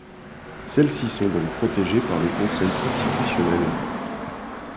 Celles-ci sont donc protégées par le Conseil constitutionnel.